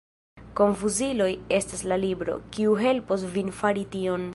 Konfuziloj estas la libro, kiu helpos vin fari tion.